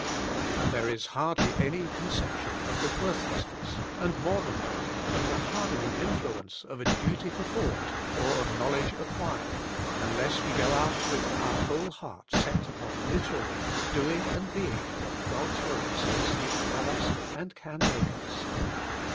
And there is hardly any conception of the worthless ness, and more than that, of the hardening in fluence of a duty performed or of knowledge The Blessedness of the Doer 53 acquired, unless we go out with our whole heart set upon Literally Doing and Being What God's Word Says He Would Have Us and Can Make Us.